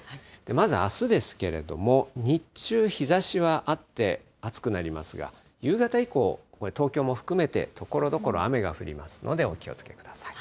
まずあすですけれども、日中、日ざしはあって、暑くなりますが、夕方以降、これ、東京も含めてところどころ雨が降りますのでお気をつけください。